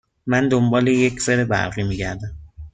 من دنبال یک فر برقی می گردم.